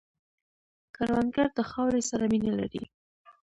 کروندګر د خاورې سره مینه لري